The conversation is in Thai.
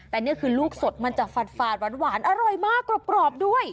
แต่นี่คือลูกสดมันจะฝาดหวานอร่อยมากกรอบด้วย